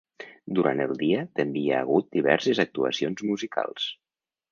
Durant el dia també hi ha hagut diverses actuacions musicals.